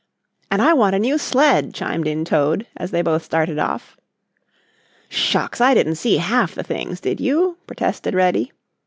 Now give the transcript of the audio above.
"And I want a new sled," chimed in Toad, as they both started off. "Shucks, I didn't see half the things, did you?" protested Reddy.